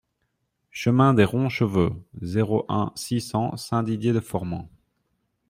Chemin de Roncheveux, zéro un, six cents Saint-Didier-de-Formans